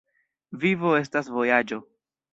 Vivo estas vojaĝo.